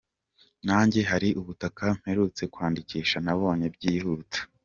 Nanjye hari ubutaka mperutse kwandikisha nabonye byihuta.